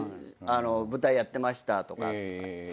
舞台やってましたとか。